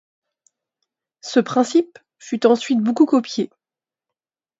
Ce principe fut ensuite beaucoup copié.